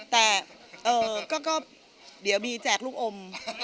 แต่ก็เดี๋ยวบีแจกลูกอม